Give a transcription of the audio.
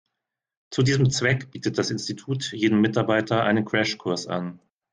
Zu diesem Zweck bietet das Institut jedem Mitarbeiter einen Crashkurs an.